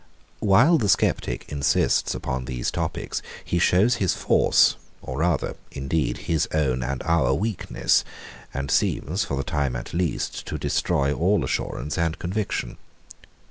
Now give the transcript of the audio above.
While the sceptic insists upon these topics, he shows his force, or rather, indeed, his own and our weakness; and seems, for the time at least, to destroy all assurance and conviction.